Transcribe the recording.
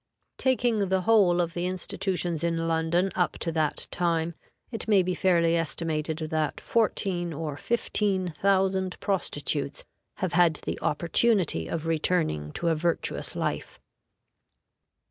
Taking the whole of the institutions in London up to that time, it may be fairly estimated that fourteen or fifteen thousand prostitutes have had the opportunity of returning to a virtuous life.